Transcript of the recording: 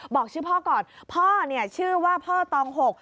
บอกชื่อพ่อก่อนพ่อเนี่ยชื่อว่าพ่อตองหก